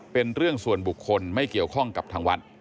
เป็นเรื่องส่วนบุคคลไม่เกี่ยวข้องกับทางวัด